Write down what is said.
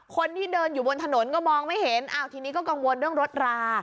คนที่เดินอยู่บนถนนก็มองไม่เห็นอ้าวทีนี้ก็กังวลเรื่องรถรา